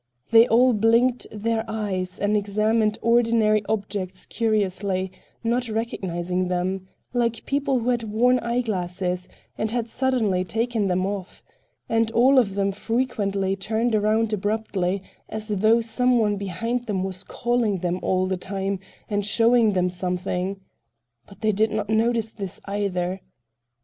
They all blinked their eyes and examined ordinary objects curiously, not recognizing them, like people who had worn eye glasses and had suddenly taken them off; and all of them frequently turned around abruptly, as though some one behind them was calling them all the time and showing them something. But they did not notice this, either.